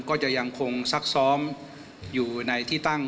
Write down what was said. ก็จะยังคงซักซ้อมอยู่ในที่ตั้ง